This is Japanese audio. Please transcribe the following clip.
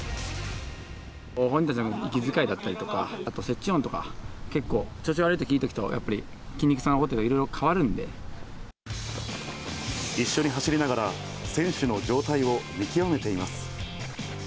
本人たちの息遣いだったりとか、接地音とか、結構、調子悪いとき、いいときとやっぱり筋肉痛一緒に走りながら、選手の状態を見極めています。